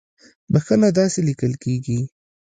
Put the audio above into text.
بخښنه داسې ليکل کېږي